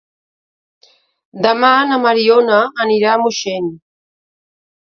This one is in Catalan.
Demà na Mariona anirà a Moixent.